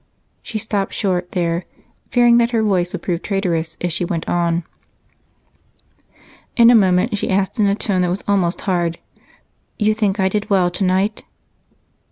She stopped short there, fearing that her voice would prove traitorous if she went on. In a moment she asked in a tone that was almost hard: "You think I did well tonight?"